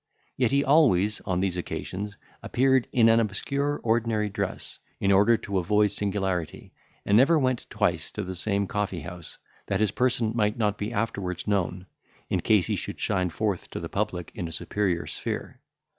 Yet he always, on these occasions, appeared in an obscure ordinary dress, in order to avoid singularity, and never went twice to the same coffee house, that his person might not be afterwards known, in case he should shine forth to the public in a superior sphere.